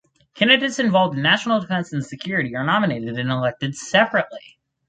Candidates involved in national defence and security are nominated and elected separately.